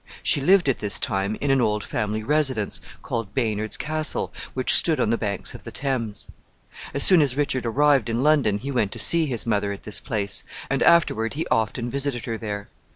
She lived at this time in an old family residence called Baynard's Castle, which stood on the banks of the Thames.[L] As soon as Richard arrived in London he went to see his mother at this place, and afterward he often visited her there.